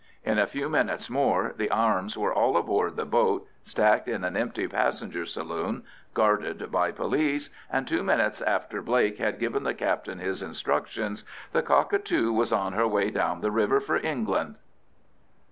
In a few minutes more the arms were all aboard the boat, stacked in an empty passenger saloon, guarded by police, and two minutes after Blake had given the captain his instructions, the Cockatoo was on her way down the river for England.